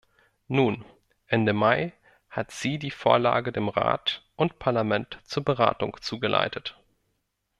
Nun, Ende Mai hat sie die Vorlage dem Rat und Parlament zur Beratung zugeleitet.